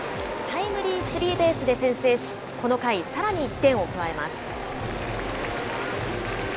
タイムリースリーベースで先制し、この回、さらに１点を加えます。